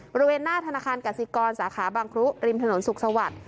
บริเวณหน้าธนาคารกสิกรสาขาบางครุริมถนนสุขสวัสดิ์